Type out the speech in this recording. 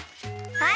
はい！